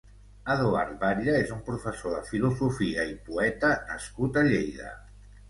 Eduard Batlle és un professor de filosofia i poeta nascut a Lleida.